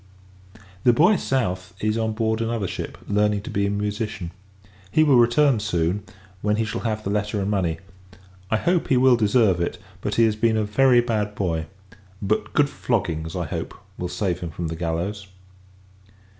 The boy, South, is on board another ship, learning to be a musician. He will return soon, when he shall have the letter and money. I hope, he will deserve it; but he has been a very bad boy: but good floggings, I hope, will save him from the gallows.